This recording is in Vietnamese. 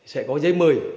sẽ có giấy mời